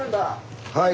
はい。